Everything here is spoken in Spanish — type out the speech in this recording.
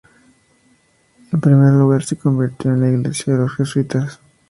En primer lugar, se convirtió en la iglesia de los jesuitas.